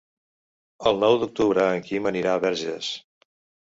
El nou d'octubre en Quim anirà a Verges.